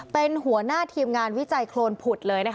เป็นหัวหน้าทีมงานวิจัยโครนผุดเลยนะคะ